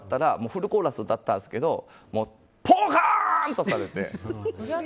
フルコーラス歌ったんですけどポカーンとされて。